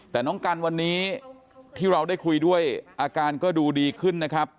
แต่น้องกันวันนี้ที่เราได้คุยด้วยอาการก็ดูดีขึ้นนะครับ